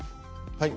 はい。